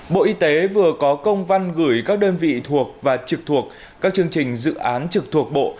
bộ y tế vừa có công văn gửi các đơn vị thuộc và trực thuộc các chương trình dự án trực thuộc bộ